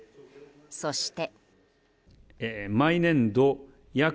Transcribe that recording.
そして。